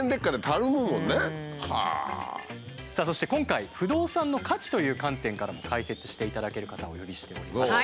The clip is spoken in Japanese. さあそして今回不動産の価値という観点からも解説していただける方をお呼びしております。